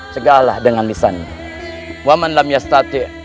cegahlah dengan lisannya